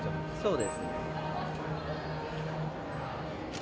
そうですね。